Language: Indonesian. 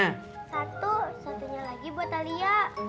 satu satunya lagi buat alia